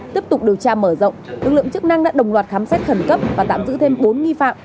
tiếp tục điều tra mở rộng lực lượng chức năng đã đồng loạt khám xét khẩn cấp và tạm giữ thêm bốn nghi phạm